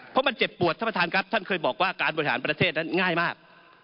เพราะมันเจ็บปวดท่านประธานครับท่านเคยบอกว่าการบริหารประเทศนั้นง่ายมาก